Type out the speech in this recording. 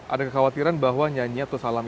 ada kekhawatiran bahwa nyanyi atau salam